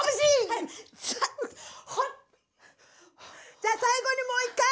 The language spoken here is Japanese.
じゃあ最後にもう一回！